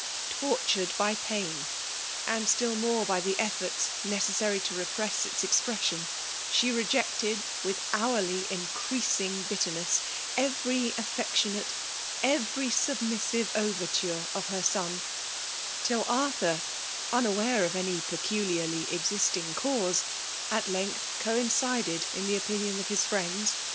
" Tortured by pain, and still more by the efforts necessary to repress its expression, she rejected, with hourly encreasing bitterness, every affectionate, every submissive overture of her son ; till Arthur, unaware of any pecu 312 VKMALB DOMIKATIOK* liarly existing cau8c> at length coincided in the opinion of his friends. Dr.